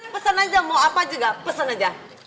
pesan aja mau apa juga pesan aja